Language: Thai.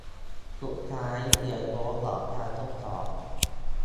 สุดท้ายเขียนโค้ดหลอกการทดสอบ